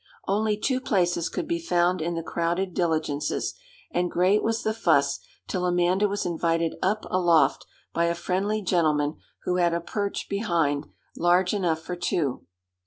Only two places could be found in the crowded diligences, and great was the fuss till Amanda was invited up aloft by a friendly gentleman who had a perch behind, large enough for two.